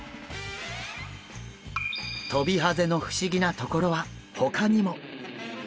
トビハゼの不思議なところはほかにも！